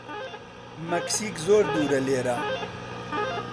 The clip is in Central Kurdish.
مەکسیک زۆر دوورە لێرە.